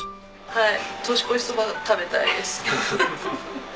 はい。